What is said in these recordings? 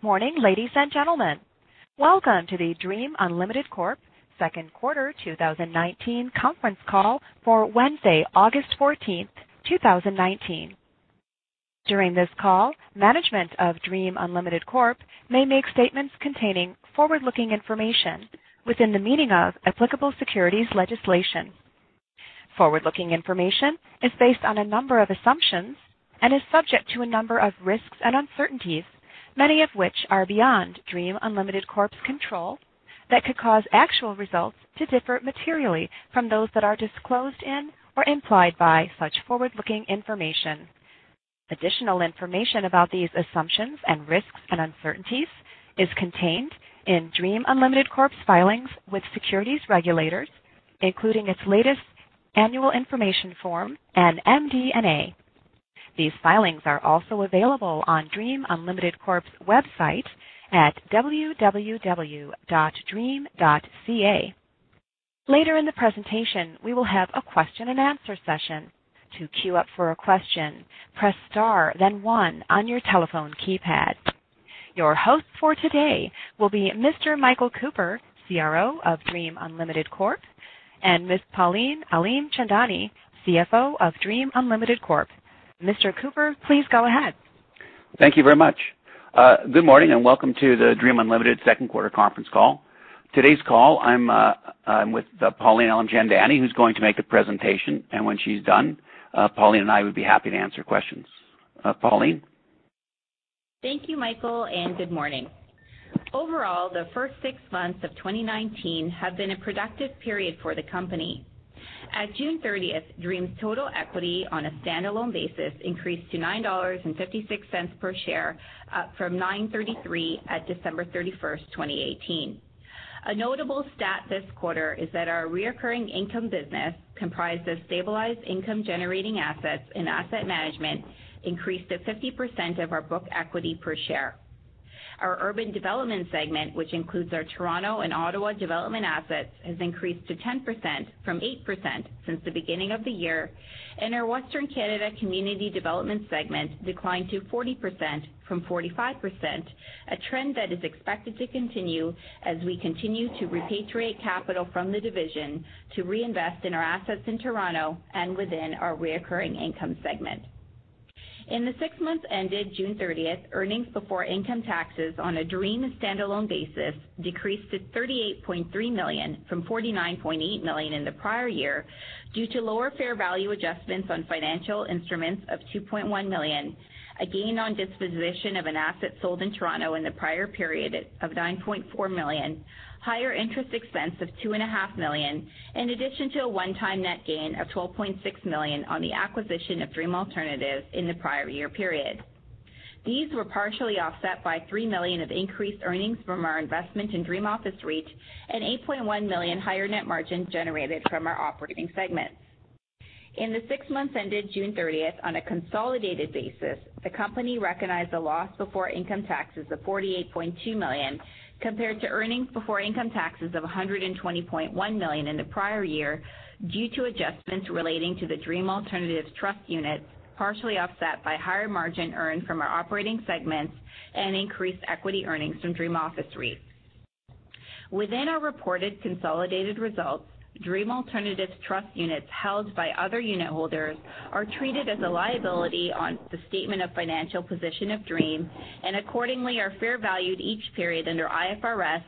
Good morning, ladies and gentlemen. Welcome to the Dream Unlimited Corp second quarter 2019 conference call for Wednesday, August 14th, 2019. During this call, management of Dream Unlimited Corp may make statements containing forward-looking information within the meaning of applicable securities legislation. Forward-looking information is based on a number of assumptions and is subject to a number of risks and uncertainties, many of which are beyond Dream Unlimited Corp's control, that could cause actual results to differ materially from those that are disclosed in or implied by such forward-looking information. Additional information about these assumptions and risks and uncertainties is contained in Dream Unlimited Corp's filings with securities regulators, including its latest annual information form and MD&A. These filings are also available on Dream Unlimited Corp's website at www.dream.ca. Later in the presentation, we will have a question and answer session. To queue up for a question, press star then one on your telephone keypad. Your host for today will be Mr. Michael Cooper, CRO of Dream Unlimited Corp., and Ms. Pauline Alimchandani, CFO of Dream Unlimited Corp. Mr. Cooper, please go ahead. Thank you very much. Good morning, and welcome to the Dream Unlimited second quarter conference call. Today's call, I'm with Pauline Alimchandani, who's going to make the presentation. When she's done, Pauline and I would be happy to answer questions. Pauline. Thank you, Michael, and good morning. Overall, the first six months of 2019 have been a productive period for the company. At June 30th, Dream's total equity on a standalone basis increased to 9.56 dollars per share from 9.33 at December 31st, 2018. A notable stat this quarter is that our reoccurring income business, comprised of stabilized income-generating assets and asset management, increased to 50% of our book equity per share. Our urban development segment, which includes our Toronto and Ottawa development assets, has increased to 10% from 8% since the beginning of the year. Our Western Canada community development segment declined to 40% from 45%, a trend that is expected to continue as we continue to repatriate capital from the division to reinvest in our assets in Toronto and within our reoccurring income segment. In the six months ended June 30th, earnings before income taxes on a Dream standalone basis decreased to CAD 38.3 million from CAD 49.8 million in the prior year due to lower fair value adjustments on financial instruments of CAD 2.1 million, a gain on disposition of an asset sold in Toronto in the prior period of CAD 9.4 million, higher interest expense of CAD two and a half million, in addition to a one-time net gain of CAD 12.6 million on the acquisition of Dream Alternatives in the prior year period. These were partially offset by 3 million of increased earnings from our investment in Dream Office REIT and 8.1 million higher net margin generated from our operating segments. In the six months ended June 30th on a consolidated basis, the company recognized a loss before income taxes of CAD 48.2 million, compared to earnings before income taxes of CAD 120.1 million in the prior year, due to adjustments relating to the Dream Alternatives Trust units, partially offset by higher margin earned from our operating segments and increased equity earnings from Dream Office REIT. Within our reported consolidated results, Dream Alternatives Trust units held by other unit holders are treated as a liability on the statement of financial position of Dream, and accordingly are fair valued each period under IFRS,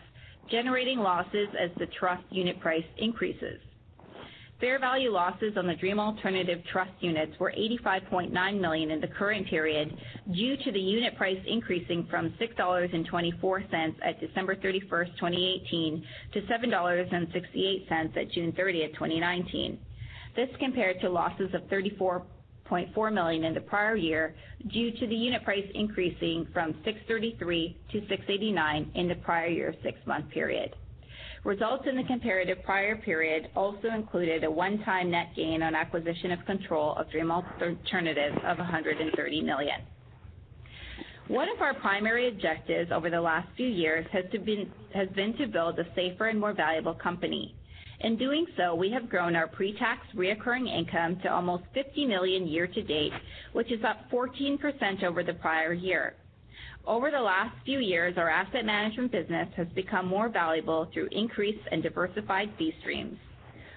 generating losses as the trust unit price increases. Fair value losses on the Dream Alternatives Trust units were 85.9 million in the current period due to the unit price increasing from 6.24 dollars at December 31st, 2018, to 7.68 dollars at June 30th, 2019. This compared to losses of 34.4 million in the prior year, due to the unit price increasing from 6.33 to 6.89 dollars in the prior year six-month period. Results in the comparative prior period also included a one-time net gain on acquisition of control of Dream Alternatives of 130 million. One of our primary objectives over the last few years has been to build a safer and more valuable company. In doing so, we have grown our pre-tax recurring income to almost 50 million year to date, which is up 14% over the prior year. Over the last few years, our asset management business has become more valuable through increased and diversified fee streams.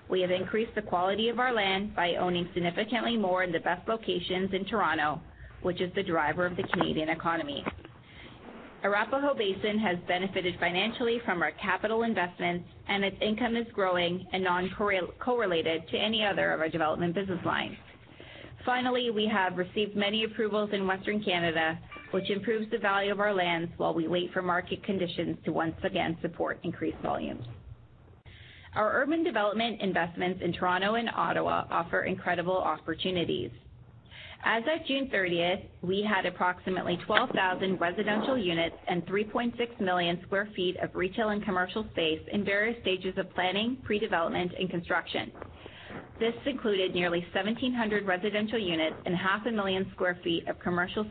We have increased the quality of our land by owning significantly more in the best locations in Toronto, which is the driver of the Canadian economy. Arapahoe Basin has benefited financially from our capital investments, and its income is growing and non-correlated to any other of our development business lines. Finally, we have received many approvals in Western Canada, which improves the value of our lands while we wait for market conditions to once again support increased volumes. Our urban development investments in Toronto and Ottawa offer incredible opportunities. As of June 30th, we had approximately 12,000 residential units and 3.6 million sq ft of retail and commercial space in various stages of planning, pre-development, and construction. This included nearly 1,700 residential units and half a million square feet of commercial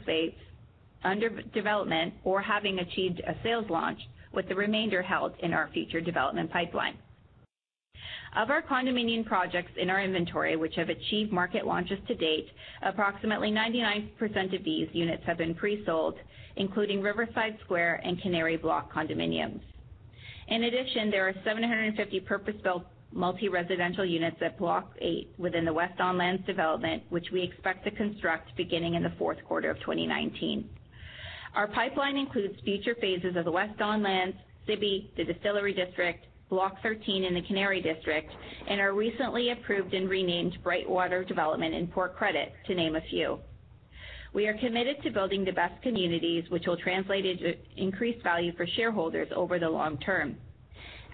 space under development or having achieved a sales launch, with the remainder held in our future development pipeline. Of our condominium projects in our inventory, which have achieved market launches to date, approximately 99% of these units have been pre-sold, including Riverside Square and Canary Block condominiums. In addition, there are 750 purpose-built multi-residential units at Block A within the West Don Lands development, which we expect to construct beginning in the fourth quarter of 2019. Our pipeline includes future phases of the West Don Lands, Zibi, the Distillery District, Block 13 in the Canary District, and our recently approved and renamed Brightwater development in Port Credit, to name a few. We are committed to building the best communities, which will translate into increased value for shareholders over the long term.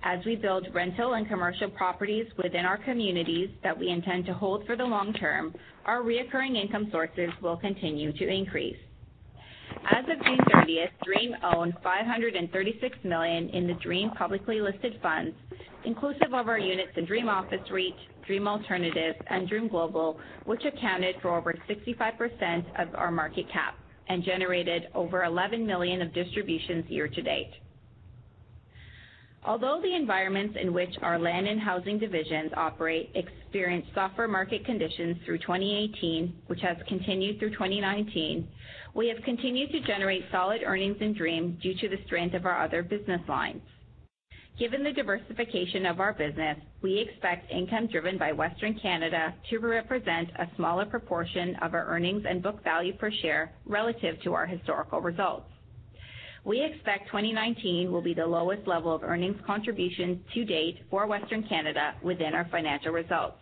As we build rental and commercial properties within our communities that we intend to hold for the long term, our recurring income sources will continue to increase. As of June 30th, Dream owned 536 million in the Dream publicly listed funds, inclusive of our units in Dream Office REIT, Dream Alternatives, and Dream Global, which accounted for over 65% of our market cap and generated over 11 million of distributions year-to-date. Although the environments in which our land and housing divisions operate experienced softer market conditions through 2018, which has continued through 2019, we have continued to generate solid earnings in Dream due to the strength of our other business lines. Given the diversification of our business, we expect income driven by Western Canada to represent a smaller proportion of our earnings and book value per share relative to our historical results. We expect 2019 will be the lowest level of earnings contribution to date for Western Canada within our financial results.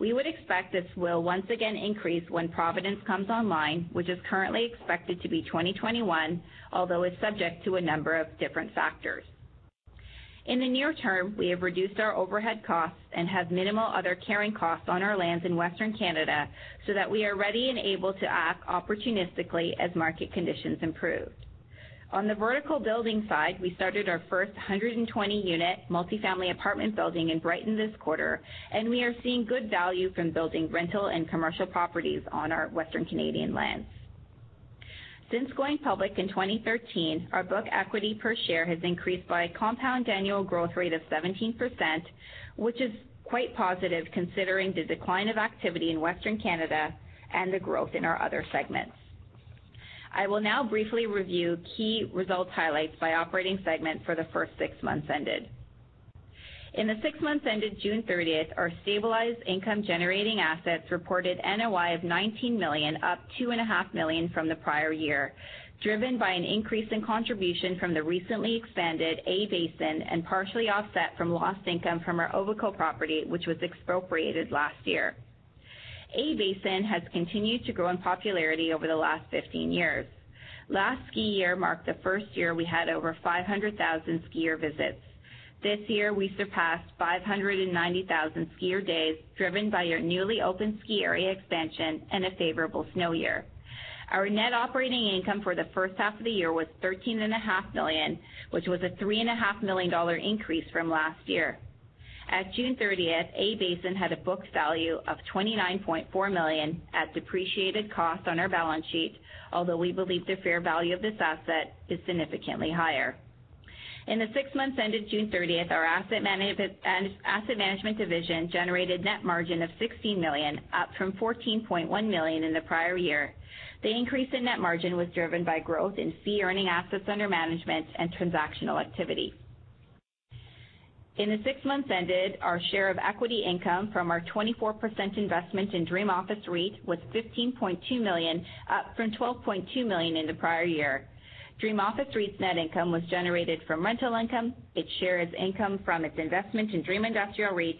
We would expect this will once again increase when Providence comes online, which is currently expected to be 2021, although is subject to a number of different factors. In the near term, we have reduced our overhead costs and have minimal other carrying costs on our lands in Western Canada so that we are ready and able to act opportunistically as market conditions improve. On the vertical building side, we started our first 120-unit multi-family apartment building in Brighton this quarter, and we are seeing good value from building rental and commercial properties on our Western Canadian lands. Since going public in 2013, our book equity per share has increased by a compound annual growth rate of 17%, which is quite positive considering the decline of activity in Western Canada and the growth in our other segments. I will now briefly review key results highlights by operating segment for the first six months ended. In the six months ended June 30th, our stabilized income-generating assets reported NOI of 19 million, up two and a half million from the prior year, driven by an increase in contribution from the recently expanded A-Basin and partially offset from lost income from our Obico property, which was expropriated last year. A-Basin has continued to grow in popularity over the last 15 years. Last ski year marked the first year we had over 500,000 skier visits. This year, we surpassed 590,000 skier days, driven by our newly opened ski area expansion and a favorable snow year. Our net operating income for the first half of the year was 13 and a half million, which was a three and a half million CAD increase from last year. At June 30th, Arapahoe Basin had a book value of 29.4 million at depreciated cost on our balance sheet. we believe the fair value of this asset is significantly higher. In the six months ended June 30th, our asset management division generated net margin of 16 million, up from 14.1 million in the prior year. The increase in net margin was driven by growth in fee-earning assets under management and transactional activity. In the six months ended, our share of equity income from our 24% investment in Dream Office REIT was 15.2 million, up from 12.2 million in the prior year. Dream Office REIT's net income was generated from rental income, its share its income from its investment in Dream Industrial REIT,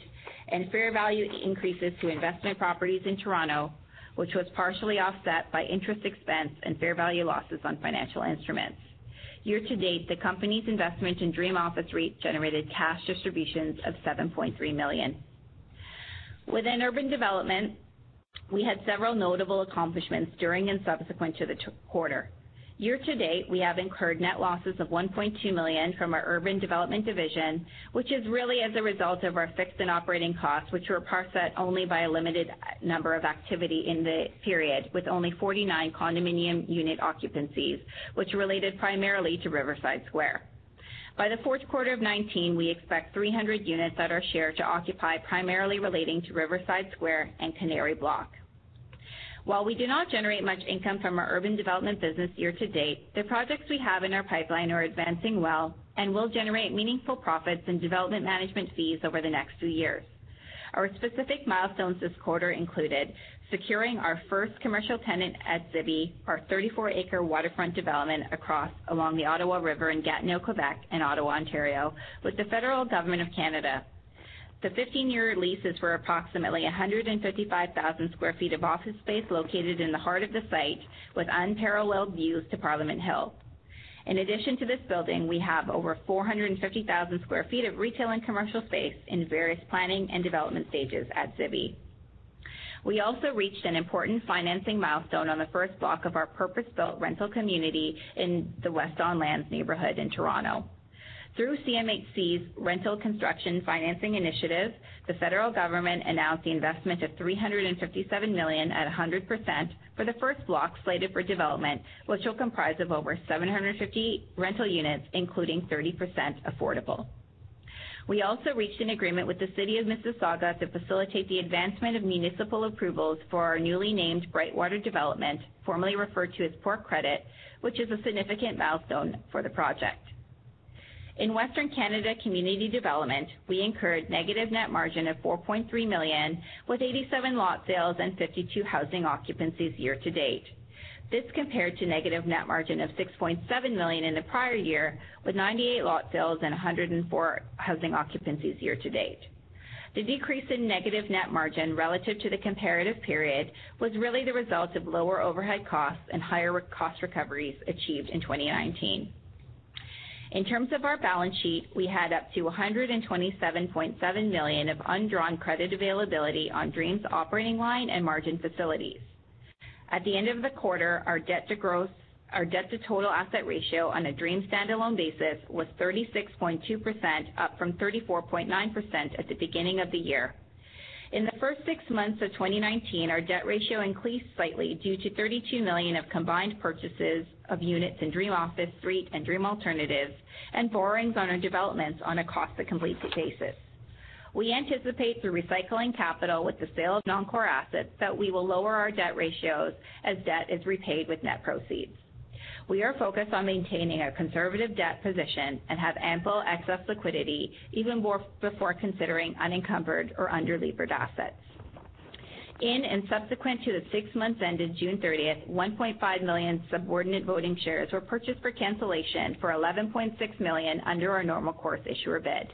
and fair value increases to investment properties in Toronto, which was partially offset by interest expense and fair value losses on financial instruments. Year-to-date, the company's investment in Dream Office REIT generated cash distributions of 7.3 million. Within Urban Development, we had several notable accomplishments during and subsequent to the quarter. Year-to-date, we have incurred net losses of 1.2 million from our Urban Development division, which is really as a result of our fixed and operating costs, which were offset only by a limited number of activity in the period, with only 49 condominium unit occupancies, which related primarily to Riverside Square. By the fourth quarter of 2019, we expect 300 units that are shared to occupy primarily relating to Riverside Square and Canary Block. We do not generate much income from our Urban Development business year-to-date, the projects we have in our pipeline are advancing well and will generate meaningful profits in development management fees over the next few years. Our specific milestones this quarter included securing our first commercial tenant at Zibi, our 34-acre waterfront development along the Ottawa River in Gatineau, Quebec, and Ottawa, Ontario, with the federal government of Canada. The 15-year leases were approximately 155,000 sq ft of office space located in the heart of the site with unparalleled views to Parliament Hill. In addition to this building, we have over 450,000 sq ft of retail and commercial space in various planning and development stages at Zibi. We also reached an important financing milestone on the first block of our purpose-built rental community in the West Don Lands neighborhood in Toronto. Through CMHC's Rental Construction Financing initiative. The federal government announced the investment of 357 million at 100% for the first block slated for development, which will comprise of over 750 rental units, including 30% affordable. We also reached an agreement with the City of Mississauga to facilitate the advancement of municipal approvals for our newly named Brightwater development, formerly referred to as Port Credit, which is a significant milestone for the project. In Western Canada Community Development, we incurred negative net margin of 4.3 million, with 87 lot sales and 52 housing occupancies year-to-date. This compared to negative net margin of 6.7 million in the prior year, with 98 lot sales and 104 housing occupancies year-to-date. The decrease in negative net margin relative to the comparative period was really the result of lower overhead costs and higher cost recoveries achieved in 2019. In terms of our balance sheet, we had up to 127.7 million of undrawn credit availability on Dream's operating line and margin facilities. At the end of the quarter, our debt to total asset ratio on a Dream standalone basis was 36.2%, up from 34.9% at the beginning of the year. In the first six months of 2019, our debt ratio increased slightly due to 32 million of combined purchases of units in Dream Office REIT and Dream Alternatives, and borrowings on our developments on a cost to complete basis. We anticipate through recycling capital with the sale of non-core assets that we will lower our debt ratios as debt is repaid with net proceeds. We are focused on maintaining a conservative debt position and have ample excess liquidity even more before considering unencumbered or under-levered assets. In and subsequent to the six months ended June 30th, 1.5 million subordinate voting shares were purchased for cancellation for 11.6 million under our Normal Course Issuer Bid.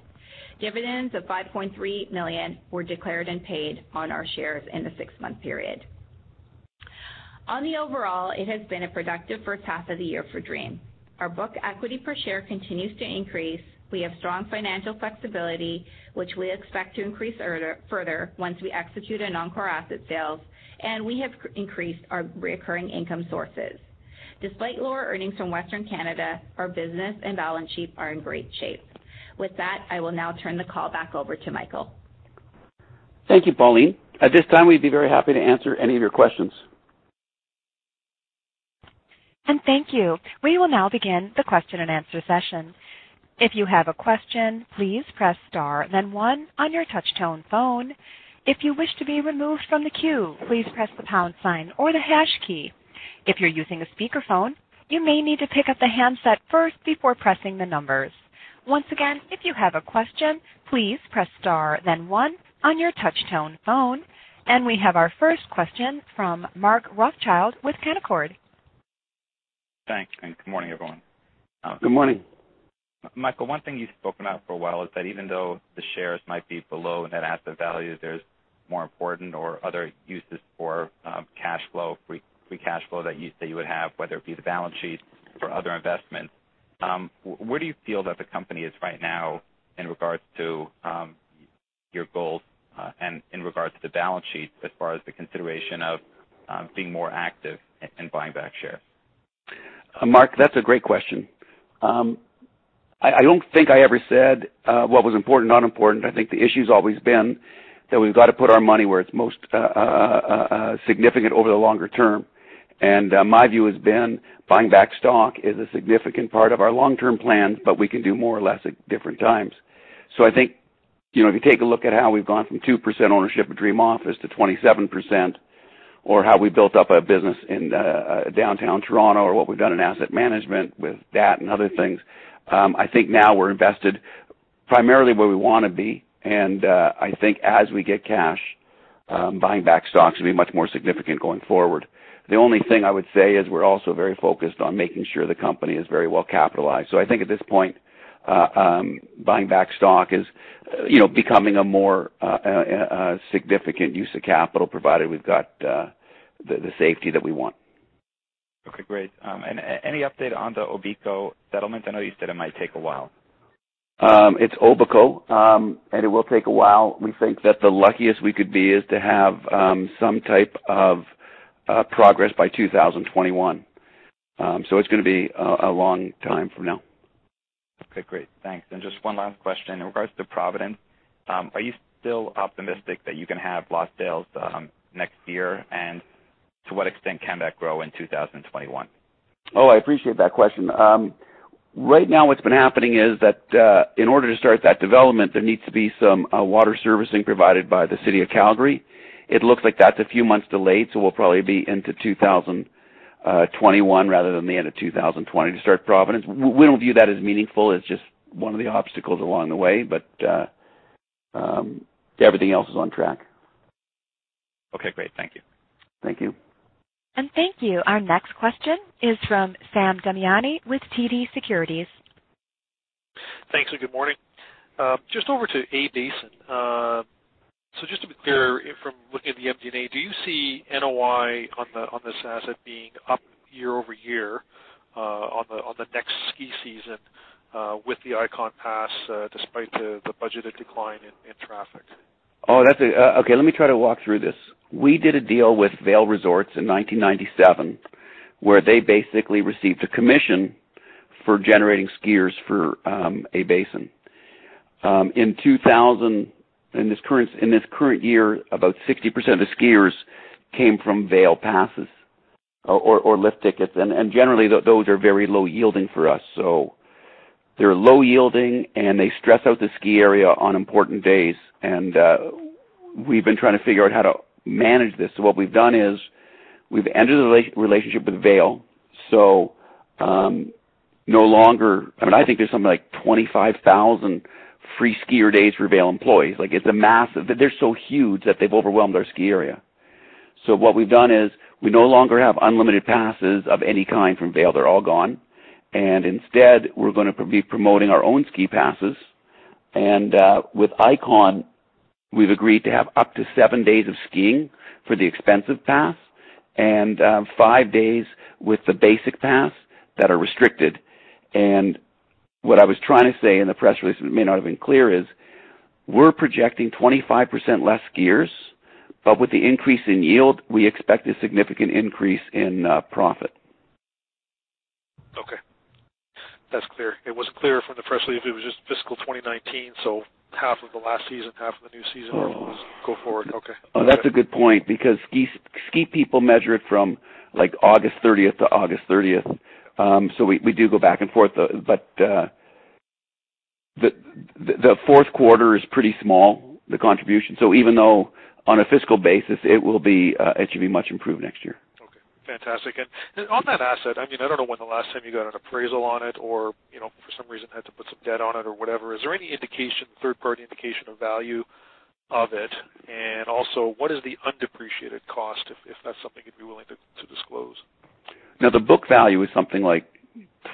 Dividends of 5.3 million were declared and paid on our shares in the six-month period. On the overall, it has been a productive first half of the year for Dream. Our book equity per share continues to increase. We have strong financial flexibility, which we expect to increase further once we execute a non-core asset sales, and we have increased our reoccurring income sources. Despite lower earnings from Western Canada, our business and balance sheet are in great shape. With that, I will now turn the call back over to Michael. Thank you, Pauline. At this time, we'd be very happy to answer any of your questions. Thank you. We will now begin the question and answer session. If you have a question, please press star then one on your touch-tone phone. If you wish to be removed from the queue, please press the pound sign or the hash key. If you're using a speakerphone, you may need to pick up the handset first before pressing the numbers. Once again, if you have a question, please press star then one on your touch-tone phone. We have our first question from Mark Rothschild with Canaccord. Thanks, and good morning, everyone. Good morning. Michael, one thing you've spoken out for a while is that even though the shares might be below net asset value, there's more important or other uses for cash flow, free cash flow that you would have, whether it be the balance sheet for other investments. Where do you feel that the company is right now in regards to your goals, and in regards to the balance sheet as far as the consideration of being more active in buying back shares? Mark, that's a great question. I don't think I ever said what was important, not important. I think the issue's always been that we've got to put our money where it's most significant over the longer term. My view has been buying back stock is a significant part of our long-term plans, but we can do more or less at different times. I think, if you take a look at how we've gone from 2% ownership of Dream Office to 27%, or how we built up a business in downtown Toronto, or what we've done in asset management with that and other things. I think now we're invested primarily where we want to be, and I think as we get cash, buying back stocks will be much more significant going forward. The only thing I would say is we're also very focused on making sure the company is very well-capitalized. I think at this point, buying back stock is becoming a more significant use of capital, provided we've got the safety that we want. Okay, great. Any update on the Obico settlement? I know you said it might take a while. It's Obico. It will take a while. We think that the luckiest we could be is to have some type of progress by 2021. It's going to be a long time from now. Okay, great. Thanks. Just one last question. In regards to Providence, are you still optimistic that you can have lot sales next year? To what extent can that grow in 2021? I appreciate that question. Right now, what's been happening is that in order to start that development, there needs to be some water servicing provided by the City of Calgary. It looks like that's a few months delayed, so we'll probably be into 2021 rather than the end of 2020 to start Providence. We don't view that as meaningful. It's just one of the obstacles along the way. Everything else is on track. Okay, great. Thank you. Thank you. Thank you. Our next question is from Sam Damiani with TD Securities. Thanks. Good morning. Just over to A-Basin. Just to be clear, from looking at the MD&A, do you see NOI on this asset being up year-over-year on the next ski season with the Ikon pass despite the budgeted decline in traffic? Okay, let me try to walk through this. We did a deal with Vail Resorts in 1997, where they basically received a commission for generating skiers for A-Basin. In this current year, about 60% of the skiers came from Vail passes or lift tickets. Generally, those are very low yielding for us. They're low yielding, and they stress out the ski area on important days. We've been trying to figure out how to manage this. What we've done is we've ended the relationship with Vail. I think there's something like 25,000 free skier days for Vail employees. They're so huge that they've overwhelmed our ski area. What we've done is we no longer have unlimited passes of any kind from Vail. They're all gone. Instead, we're going to be promoting our own ski passes. With Ikon, we've agreed to have up to 7 days of skiing for the expensive pass and 5 days with the basic pass that are restricted. What I was trying to say in the press release that may not have been clear is we're projecting 25% less skiers, but with the increase in yield, we expect a significant increase in profit. That's clear. It wasn't clear from the press release if it was just fiscal 2019, so half of the last season, half of the new season. Oh go forward. Okay. That's a good point because ski people measure it from August 30th to August 30th. We do go back and forth. The fourth quarter is pretty small, the contribution. Even though on a fiscal basis it should be much improved next year. Okay, fantastic. On that asset, I don't know when the last time you got an appraisal on it or, for some reason, had to put some debt on it or whatever. Is there any third-party indication of value of it? Also, what is the undepreciated cost, if that's something you'd be willing to disclose? The book value is something like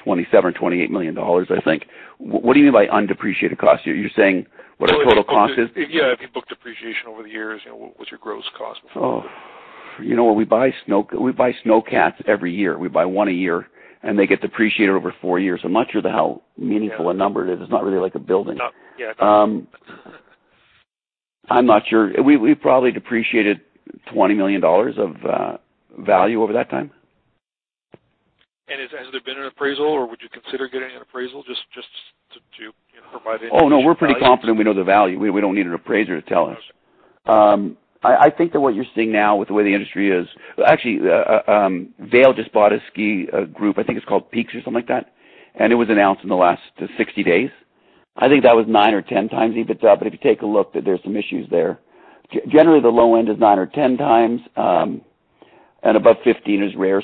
27 million or 28 million dollars, I think. What do you mean by undepreciated cost? You're saying what our total cost is? Yeah. Have you booked depreciation over the years? What's your gross cost? We buy snowcats every year. We buy one a year, and they get depreciated over four years. I'm not sure how meaningful a number it is. It's not really like a building. No. Yeah. I'm not sure. We probably depreciated 20 million dollars of value over that time. Has there been an appraisal, or would you consider getting an appraisal just to provide? No, we're pretty confident we know the value. We don't need an appraiser to tell us. Okay. I think that what you're seeing now with the way the industry is, actually, Vail just bought a ski group. I think it's called Peak Resorts or something like that, and it was announced in the last 60 days. I think that was nine or 10 times EBITDA, but if you take a look, there's some issues there. Generally, the low end is nine or 10 times, and above 15 is rare.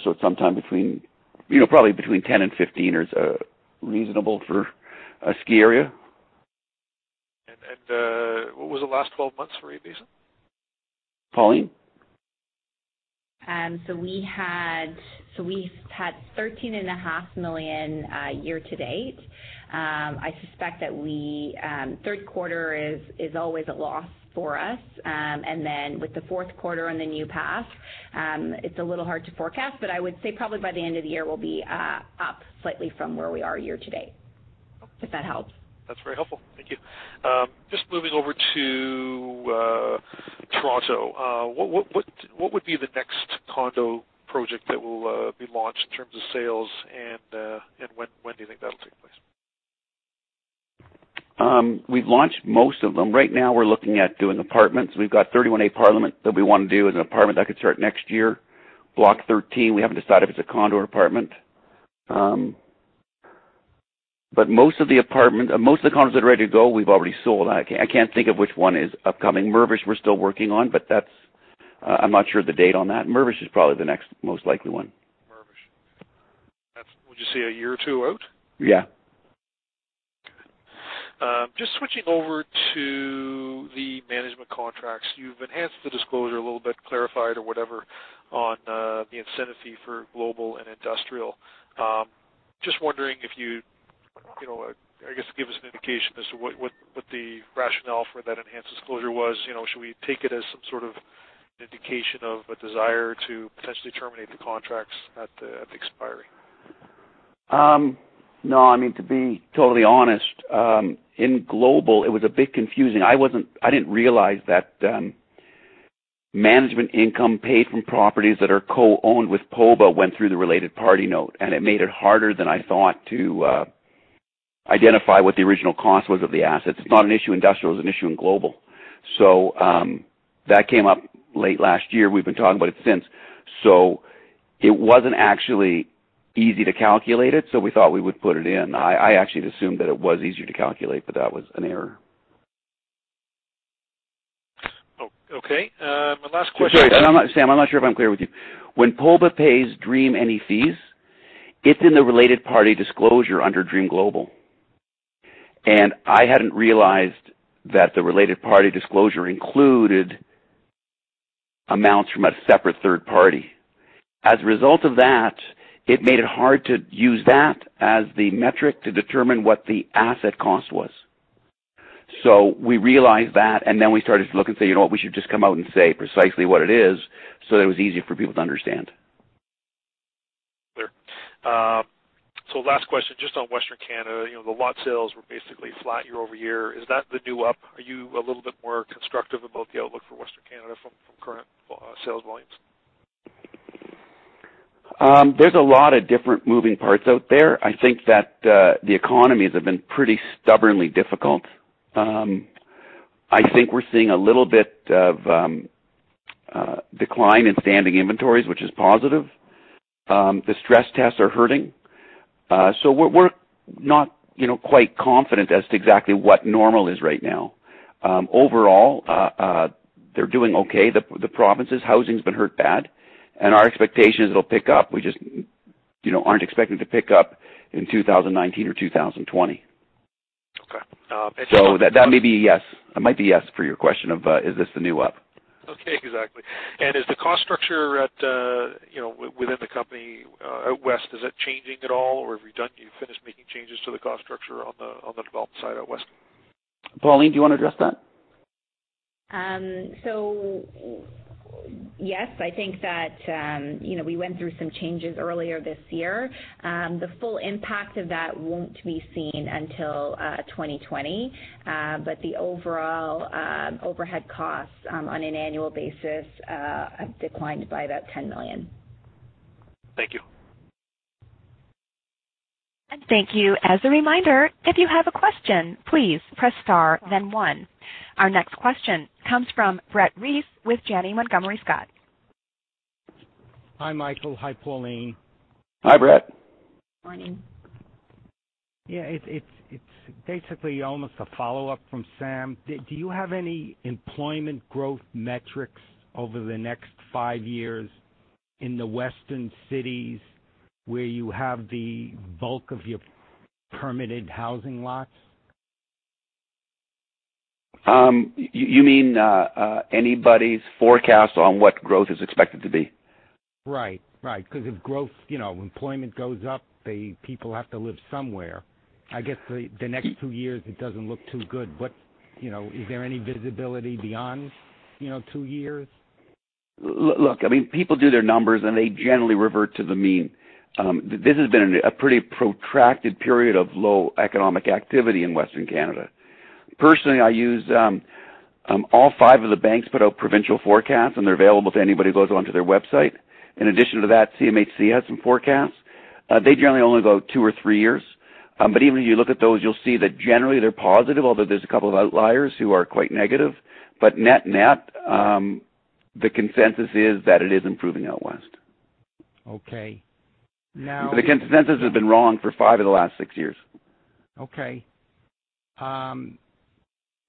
Probably between 10 and 15 is reasonable for a ski area. What was the last 12 months for Arapahoe Basin? Pauline? We had 13.5 million year to date. I suspect that third quarter is always a loss for us. With the fourth quarter and the new pass, it's a little hard to forecast, but I would say probably by the end of the year, we'll be up slightly from where we are year to date. Okay. If that helps. That's very helpful. Thank you. Just moving over to Toronto. What would be the next condo project that will be launched in terms of sales, and when do you think that'll take place? We've launched most of them. Right now, we're looking at doing apartments. We've got 31A Parliament that we want to do as an apartment. That could start next year. Block 13, we haven't decided if it's a condo or apartment. Most of the condos that are ready to go, we've already sold. I can't think of which one is upcoming. Mirvish, we're still working on, but I'm not sure of the date on that. Mirvish is probably the next most likely one. Mirvish. Would you say a year or two out? Yeah. Just switching over to the management contracts. You've enhanced the disclosure a little bit, clarified or whatever, on the incentive fee for Global and Industrial. Just wondering if you, I guess, give us an indication as to what the rationale for that enhanced disclosure was. Should we take it as some sort of an indication of a desire to potentially terminate the contracts at the expiry? No. To be totally honest, in Global, it was a bit confusing. I didn't realize that management income paid from properties that are co-owned with POBA went through the related party note, and it made it harder than I thought to identify what the original cost was of the assets. It's not an issue in Industrial, it's an issue in Global. That came up late last year. We've been talking about it since. It wasn't actually easy to calculate it, so we thought we would put it in. I actually had assumed that it was easier to calculate, but that was an error. Okay. My last question Sorry, Sam, I'm not sure if I'm clear with you. When POBA pays Dream any fees, it's in the related party disclosure under Dream Global REIT. I hadn't realized that the related party disclosure included amounts from a separate third party. As a result of that, it made it hard to use that as the metric to determine what the asset cost was. We realized that, and then we started to look and say, "You know what? We should just come out and say precisely what it is," so that it was easier for people to understand. Clear. Last question, just on Western Canada. The lot sales were basically flat year-over-year. Is that the new up? Are you a little bit more constructive about the outlook for Western Canada from current sales volumes? There's a lot of different moving parts out there. I think that the economies have been pretty stubbornly difficult. I think we're seeing a little bit of decline in standing inventories, which is positive. The stress tests are hurting. We're not quite confident as to exactly what normal is right now. Overall, they're doing okay. The provinces housing's been hurt bad, and our expectation is it'll pick up. We just aren't expecting it to pick up in 2019 or 2020. Okay. That might be yes. That might be yes for your question of, is this the new up? Okay, exactly. Is the cost structure within the company, out West, is it changing at all, or have you finished making changes to the cost structure on the development side out West? Pauline, do you want to address that? Yes, I think that we went through some changes earlier this year. The full impact of that won't be seen until 2020. The overall overhead costs, on an annual basis, have declined by about 10 million. Thank you. Thank you. As a reminder, if you have a question, please press star, then one. Our next question comes from Brett Reiss with Janney Montgomery Scott. Hi, Michael. Hi, Pauline. Hi, Brett. Morning. Yeah, it's basically almost a follow-up from Sam. Do you have any employment growth metrics over the next five years in the western cities where you have the bulk of your permitted housing lots? You mean anybody's forecast on what growth is expected to be? Right. If employment goes up, the people have to live somewhere. I guess the next two years it doesn't look too good. Is there any visibility beyond two years? Look, I mean, people do their numbers, and they generally revert to the mean. This has been a pretty protracted period of low economic activity in Western Canada. Personally, I use all five of the banks, put out provincial forecasts, and they're available to anybody who goes onto their website. In addition to that, CMHC has some forecasts. They generally only go two or three years. Even if you look at those, you'll see that generally they're positive, although there's a couple of outliers who are quite negative. Net net, the consensus is that it is improving out West. Okay. The consensus has been wrong for five of the last six years. Okay.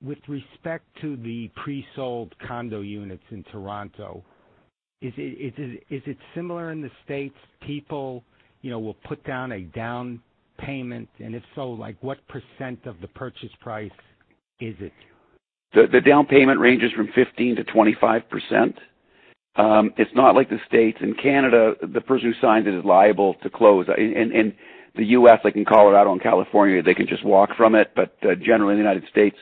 With respect to the pre-sold condo units in Toronto, is it similar in the States? People will put down a down payment, and if so, what % of the purchase price is it? The down payment ranges from 15% to 25%. It's not like the U.S. In Canada, the person who signs it is liable to close. In the U.S., like in Colorado and California, they can just walk from it. Generally, in the United States,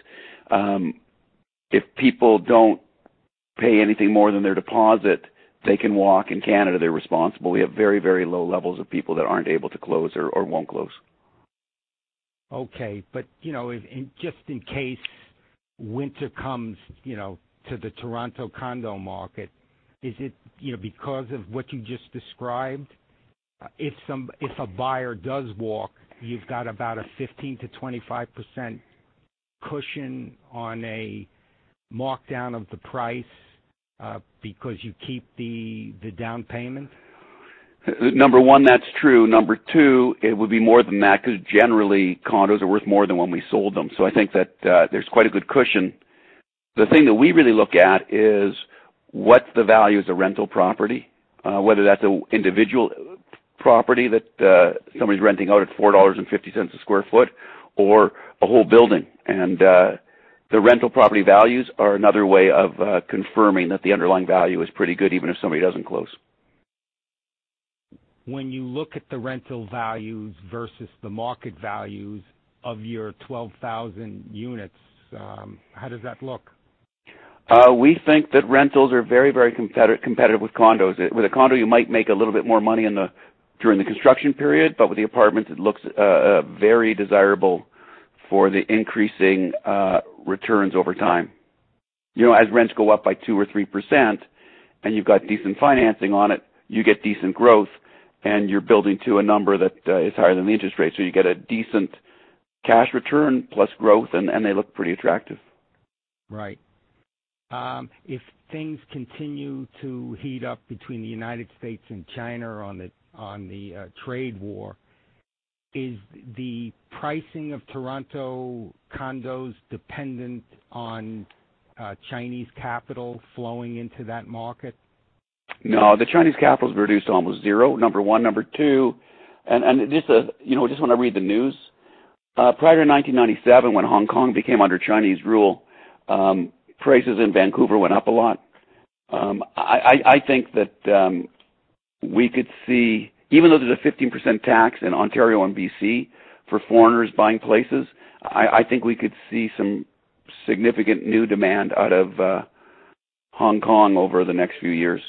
if people don't pay anything more than their deposit, they can walk. In Canada, they're responsible. We have very low levels of people that aren't able to close or won't close. Okay. Just in case winter comes to the Toronto condo market, is it because of what you just described? If a buyer does walk, you've got about a 15%-25% cushion on a markdown of the price because you keep the down payment? Number 1, that's true. Number 2, it would be more than that because generally, condos are worth more than when we sold them. I think that there's quite a good cushion. The thing that we really look at is what's the value as a rental property, whether that's an individual property that somebody's renting out at 4.50 dollars a square foot or a whole building. The rental property values are another way of confirming that the underlying value is pretty good, even if somebody doesn't close. When you look at the rental values versus the market values of your 12,000 units, how does that look? We think that rentals are very competitive with condos. With a condo, you might make a little bit more money during the construction period. With the apartments, it looks very desirable for the increasing returns over time. As rents go up by 2% or 3% and you've got decent financing on it, you get decent growth, and you're building to a number that is higher than the interest rate. You get a decent cash return plus growth, and they look pretty attractive. Right. If things continue to heat up between the U.S. and China on the trade war, is the pricing of Toronto condos dependent on Chinese capital flowing into that market? No, the Chinese capital's reduced to almost zero, number one. Number two, just when I read the news, prior to 1997, when Hong Kong became under Chinese rule, prices in Vancouver went up a lot. I think that we could see, even though there's a 15% tax in Ontario and B.C. for foreigners buying places, I think we could see some significant new demand out of Hong Kong over the next few years.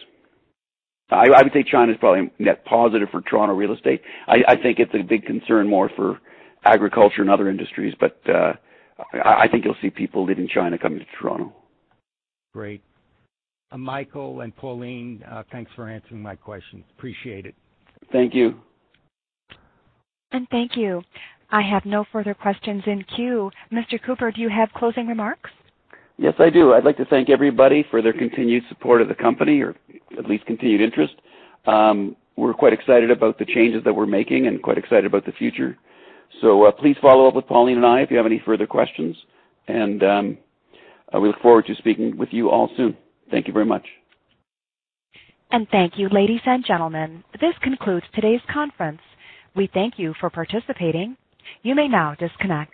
I would say China is probably a net positive for Toronto real estate. I think it's a big concern more for agriculture and other industries. I think you'll see people leaving China coming to Toronto. Great. Michael and Pauline, thanks for answering my questions. Appreciate it. Thank you. Thank you. I have no further questions in queue. Mr. Cooper, do you have closing remarks? Yes, I do. I'd like to thank everybody for their continued support of the company or at least continued interest. We're quite excited about the changes that we're making and quite excited about the future. Please follow up with Pauline and I if you have any further questions, and we look forward to speaking with you all soon. Thank you very much. Thank you, ladies and gentlemen. This concludes today's conference. We thank you for participating. You may now disconnect.